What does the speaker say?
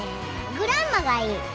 グランマがいい！